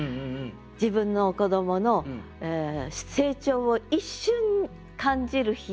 自分の子どもの成長を一瞬感じる日。